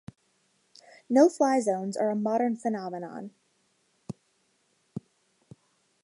No-fly zones are a modern phenomenon.